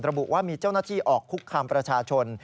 ระบุว่ามีเจ้าหน้าที่ออกคุกคามประชาชน